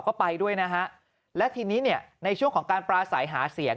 ก็ไปด้วยนะฮะและทีนี้เนี่ยในช่วงของการปราศัยหาเสียง